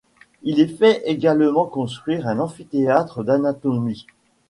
Il y fait également construire un amphithéâtre d'anatomie.